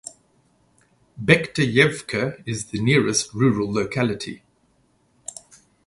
Bekhteyevka is the nearest rural locality.